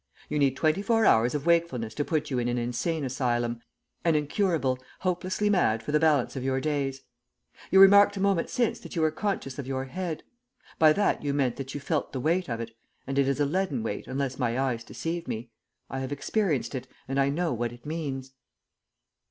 You need twenty four hours of wakefulness to put you in an insane asylum, an incurable, hopelessly mad for the balance of your days. You remarked a moment since that you were conscious of your head. By that you meant that you felt the weight of it, and it is a leaden weight unless my eyes deceive me. I have experienced it, and I know what it means."